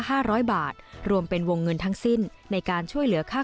ห้าร้อยบาทรวมเป็นวงเงินทั้งสิ้นในการช่วยเหลือค่า